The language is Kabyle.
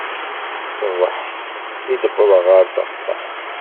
Ṣṣbeḥ-a i d-wwḍeɣ ɣer teɣsert.